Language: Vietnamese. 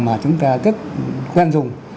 mà chúng ta rất quen dùng